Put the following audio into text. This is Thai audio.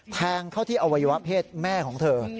แทงเข้าที่อวัยวะเพศแม่ของเธอ